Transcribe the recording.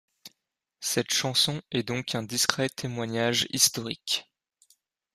Cette chanson est donc un discret témoignage historique.